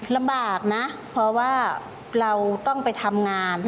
ลำบากนะเพราะว่าเราต้องไปทำงาน